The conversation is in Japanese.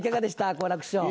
好楽師匠。